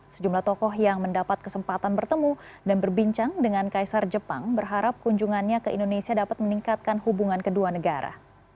sejumlah tokoh yang mendapat kesempatan bertemu dan berbincang dengan kaisar jepang berharap kunjungannya ke indonesia dapat meningkatkan hubungan kedua negara